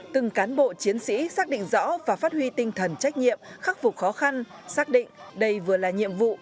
từng cán bộ chiến sĩ xác định rõ và phát huy tinh thần trách nhiệm khắc phục khó khăn xác định đây vừa là nhiệm vụ